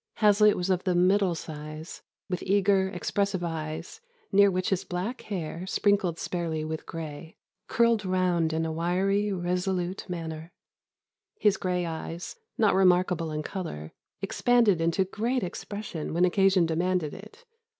Hazlitt was of the middle size, with eager, expressive eyes, near which his black hair, sprinkled sparely with gray, curled round in a wiry, resolute manner. His gray eyes, not remarkable in colour, expanded into great expression when occasion demanded it.